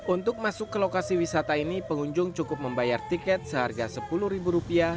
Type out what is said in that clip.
untuk masuk ke lokasi wisata ini pengunjung cukup membayar tiket seharga sepuluh ribu rupiah